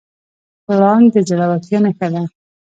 پړانګ د زړورتیا نښه ده.